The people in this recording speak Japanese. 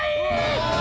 うわ！